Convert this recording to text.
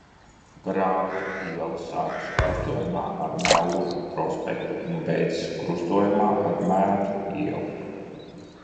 Grāvju iela sākas krustojumā ar Mellužu prospektu un beidzas krustojumā ar Mētru ielu.